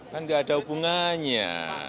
kan nggak ada hubungannya